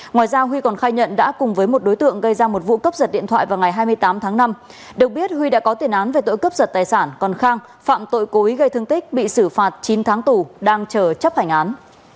ngoài ra huy còn khai nhận đã cùng với một đối tượng gây ra một vụ cấp giật điện thoại vào ngày hai mươi tám tháng năm được biết huy đã có tiền án về tội cướp giật tài sản còn khang phạm tội cố ý gây thương tích bị xử phạt chín tháng tù đang chờ chấp hành án